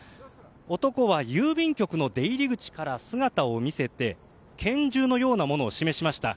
男は、郵便局の出入り口から姿を見せて拳銃のようなものを示しました。